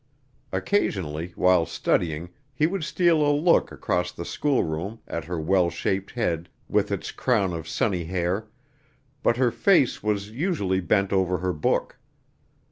Occasionally, while studying he would steal a look across the schoolroom at her well shaped head with its crown of sunny hair, but her face was usually bent over her book.